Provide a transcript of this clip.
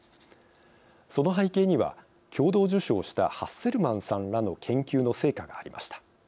その背景には共同受賞したハッセルマンさんらの研究の成果がありました。